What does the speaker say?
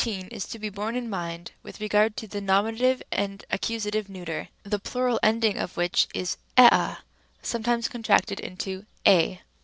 e, is to be borne in mind with regard to the N. and A. neut., the plural ending of which is ea, sometimes contracted into 7.